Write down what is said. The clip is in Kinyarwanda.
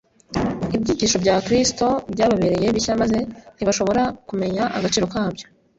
Ibyigisho bya Kristo byababereye bishya, maze ntibashobora kumenya agaciro kabyo.